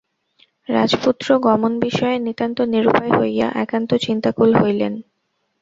রাজপুত্র গমনবিষয়ে নিতান্ত নিরুপায় হইয়া একান্ত চিন্তাকুল হইলেন।